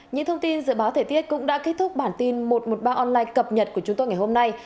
những thông tin dự báo thời tiết cũng đã kết thúc bản tin một trăm một mươi ba online cập nhật của chúng tôi ngày hôm nay